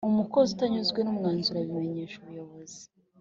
Umukozi utanyuzwe n’umwanzuro abimenyesha ubuyobozi